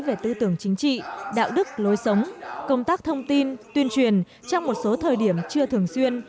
về tư tưởng chính trị đạo đức lối sống công tác thông tin tuyên truyền trong một số thời điểm chưa thường xuyên